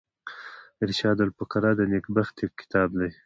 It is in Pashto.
ارشاد الفقراء نېکبختي کتاب دﺉ.